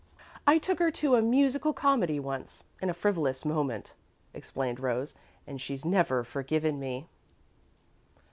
"I took her to a 'musical comedy' once, in a frivolous moment," explained Rose, "and she's never forgiven me."